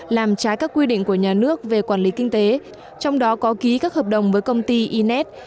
làm trái các quy định của nhà nước về quản lý kinh tế trong đó có ký các hợp đồng với công ty innet